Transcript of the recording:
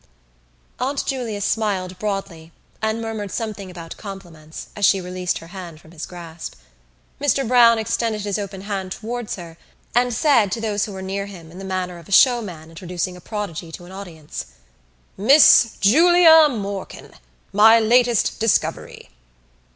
Aunt Julia smiled broadly and murmured something about compliments as she released her hand from his grasp. Mr Browne extended his open hand towards her and said to those who were near him in the manner of a showman introducing a prodigy to an audience: "Miss Julia Morkan, my latest discovery!"